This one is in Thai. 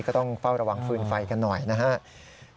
ก็ต้องเฝ้าระวังฟืนไฟกันหน่อยนะครับ